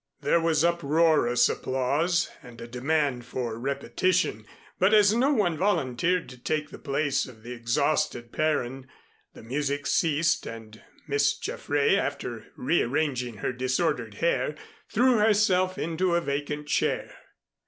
There was uproarious applause and a demand for repetition, but as no one volunteered to take the place of the exhausted Perrine, the music ceased and Miss Jaffray, after rearranging her disordered hair, threw herself into a vacant chair.